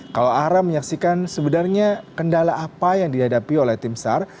kalau ara menyaksikan sebenarnya kendala apa yang dihadapi oleh tim sar